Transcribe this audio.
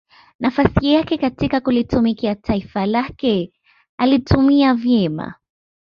nafasi yake katika kulitumikia taifa lake aliitumia vyema